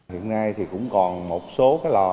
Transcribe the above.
hiện nay thì cũng còn một số cái lò